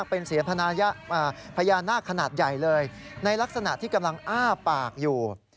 เป็นเสียงพญานาคขนาดใหญ่เลยในลักษณะที่กำลังอ้าปากอยู่